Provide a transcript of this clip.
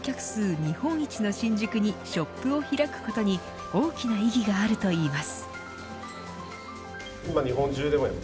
日本一の新宿にショップを開くことに大きな意義があるといいます。